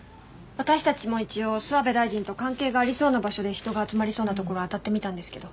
私たちも一応諏訪部大臣と関係がありそうな場所で人が集まりそうな所あたってみたんですけど